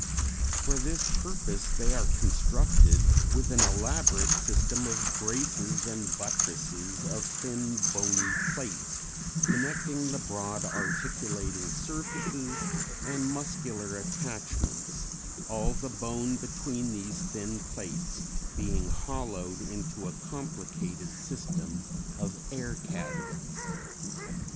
For this purpose they are constructed with an elaborate system of braces and buttresses of thin bony plates connecting the broad articulating surfaces and muscular attachments, all the bone between these thin plates being hollowed into a complicated system of air cavities.